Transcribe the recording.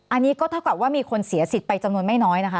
อันนี้ก็เท่ากับว่ามีคนเสียสิทธิ์ไปจำนวนไม่น้อยนะคะ